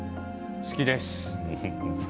好きです。